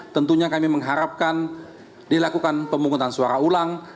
tentunya kami mengharapkan dilakukan pemungutan suara ulang